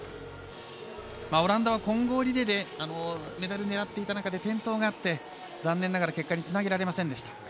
オランダは混合リレーでメダルを狙っていた中で転倒があって残念ながら結果につなげられませんでした。